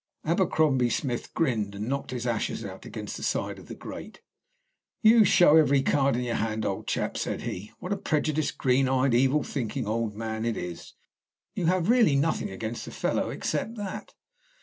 Abercrombie Smith grinned and knocked his ashes out against the side of the grate. "You show every card in your hand, old chap," said he. "What a prejudiced, green eyed, evil thinking old man it is! You have really nothing against the fellow except that."